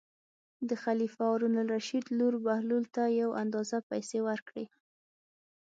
د خلیفه هارون الرشید لور بهلول ته یو اندازه پېسې ورکړې.